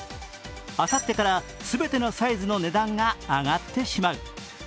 あさってから全てのサイズの値段が上がってしまう。